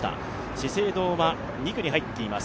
資生堂は２区に入っています。